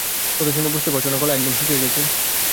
কথা শুনে বুঝতে পারছো না গলা একদম শুকিয়ে গেছে।